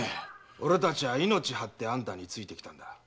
俺たちは命はってあんたについてきた。